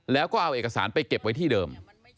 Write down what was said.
แล้วก็เอาเอกสารไปเก็บไว้ที่เดิม